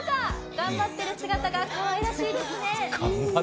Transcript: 頑張っている姿がかわいらしいですね。